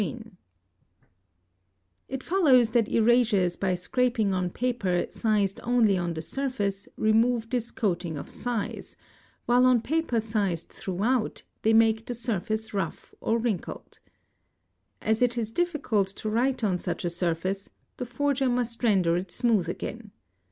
FALSIFICATION OF DOCUMENTS SATO It follows that erasures by scraping on paper sized only on the surface remove this coating of size; while on paper sized throughout, they make the surface rough or wrinkled. As it is difficult to write on such a surface, the forger must render it smooth again.